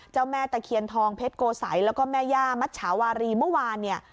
แม่ตะเคียนทองเพชรโกสัยแล้วก็แม่ย่ามัชชาวารีเมื่อวานเนี่ย